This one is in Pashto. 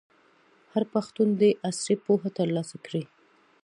هر پښتون دي عصري پوهه ترلاسه کړي.